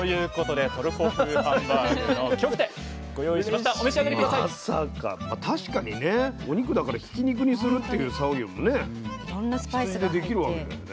まあ確かにねお肉だからひき肉にするっていう作業もね羊でできるわけだよね。